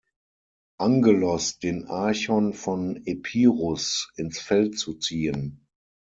Angelos den Archon von Epirus ins Feld zu ziehen.